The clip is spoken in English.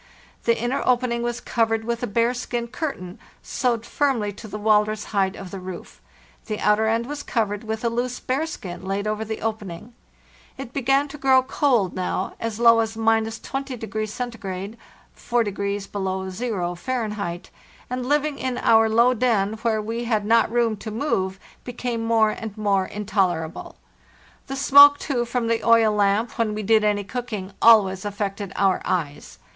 The inner opening was covered with a bearskin curtain, sewed firmly to the walrus hide of the roof; the outer end was covered with a loose bearskin laid over the opening. It began to grow cold now, as low as —20° C. (4° below zero, Fahr.); and living in our low den, where we had not room to move, became more and more in tolerable. Vhe smoke, too, from the oil lamp, when we did any cooking, always affected our eyes.